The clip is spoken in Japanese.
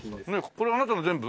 これはあなたの全部？